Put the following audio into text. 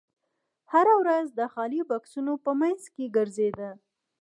هغه هره ورځ د خالي بکسونو په مینځ کې ګرځیده